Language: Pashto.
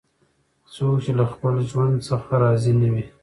څوک چې له خپل ژوند څخه راضي نه وي